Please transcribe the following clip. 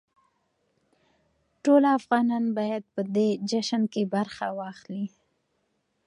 ټول افغانان بايد په دې جشن کې برخه واخلي.